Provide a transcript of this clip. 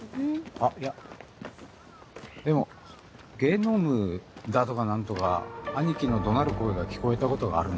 あっいやでも「ゲノム」だとか何とか兄貴の怒鳴る声が聞こえたことがあるな。